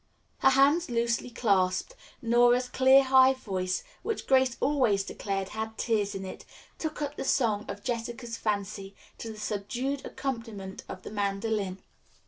Her hands loosely clasped, Nora's clear, high voice, which Grace always declared "had tears in it," took up the song of Jessica's fancy to the subdued accompaniment of the mandolin.